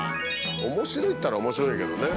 面白いったら面白いけどね。